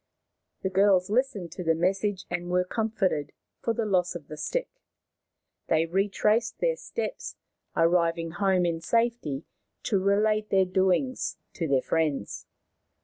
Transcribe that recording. ? The girls listened to the message and were com forted for the loss of the stick. They retraced their steps, arriving home in safety to relate 58 Maoriland Fairy Tales their doings to their friends.